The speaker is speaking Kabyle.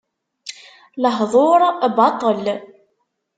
Lehduṛ baṭel.